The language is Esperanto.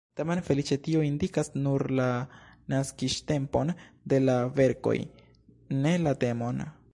Tamen feliĉe tio indikas nur la naskiĝtempon de la verkoj, ne la temon.